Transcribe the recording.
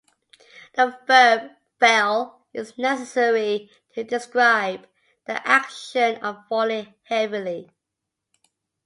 The verb "fell" is necessary to describe the action of falling heavily.